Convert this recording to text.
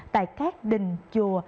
tại các đình chùa